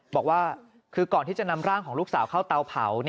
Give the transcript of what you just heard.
บอกว่าคือก่อนที่จะนำร่างของลูกสาวเข้าเตาเผา